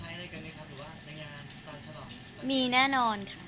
หรือว่าในงานตอนฉลอง